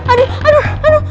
aduh aduh aduh